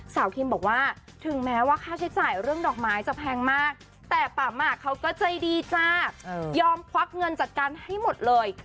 คิมบอกว่าถึงแม้ว่าค่าใช้จ่ายเรื่องดอกไม้จะแพงมากแต่ปั๊มเขาก็ใจดีจ้ายอมควักเงินจัดการให้หมดเลย